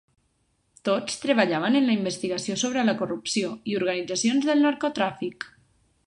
Tots treballaven en la investigació sobre la corrupció i organitzacions del narcotràfic.